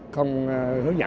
không hướng dẫn